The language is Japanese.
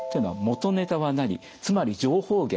つまり情報源。